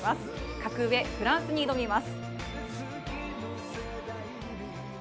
格上、フランスに挑みます。